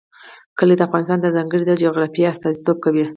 کلي د افغانستان د ځانګړي ډول جغرافیه استازیتوب کوي.